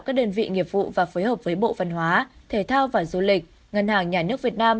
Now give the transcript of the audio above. các đơn vị nghiệp vụ và phối hợp với bộ văn hóa thể thao và du lịch ngân hàng nhà nước việt nam